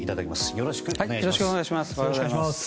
よろしくお願いします。